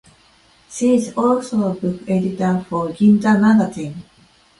She is also books editor for "Grazia" magazine.